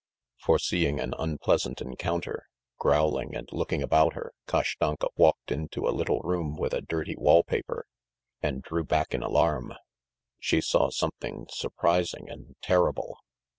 Foreseeing an unpleasant encounter, growling and looking about her, Kashtanka walked into a little room with a dirty wall paper and drew back in alarm. She saw something surprising and terrible.